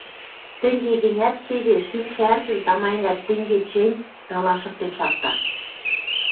Тӹнге гӹнят теве шӱм шӓржӹм тама-ӓнят тӹнге чӹнь, талашыктен шакта.